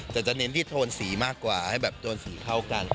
แต่จะเน้นที่โทนสีมากกว่าให้แบบโดนสีเข้ากัน